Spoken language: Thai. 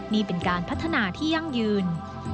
นี่เป็นการพัฒนาที่ยั่งยืน